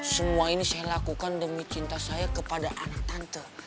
semua ini saya lakukan demi cinta saya kepada anak tante